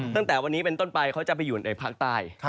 ตั้งแต่วันนี้เป็นต้นไปเขาจะไปอยู่ในภาคใต้